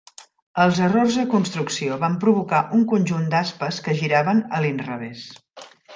Els errors de construcció van provocar un conjunt d'aspes que giraven a l'inrevés.